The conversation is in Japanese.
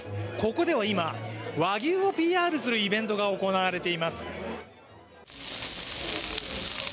ここでは今、和牛をＰＲするイベントが行われています。